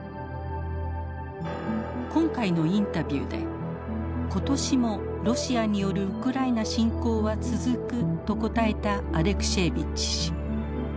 今回のインタビューで今年もロシアによるウクライナ侵攻は続くと答えたアレクシエービッチ氏。